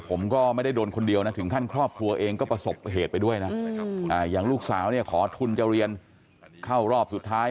ผมก็ไม่ได้โดนคนเดียวนะถึงขั้นครอบครัวเองก็ประสบเหตุไปด้วยนะอย่างลูกสาวเนี่ยขอทุนจะเรียนเข้ารอบสุดท้าย